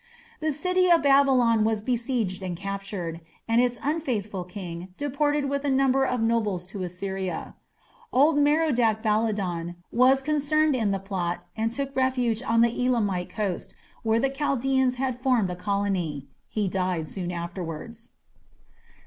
The city of Babylon was besieged and captured, and its unfaithful king deported with a number of nobles to Assyria. Old Merodach Baladan was concerned in the plot and took refuge on the Elamite coast, where the Chaldaeans had formed a colony. He died soon afterwards.